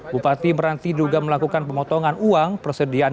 bupati meranti juga melakukan pemotongan uang persediaan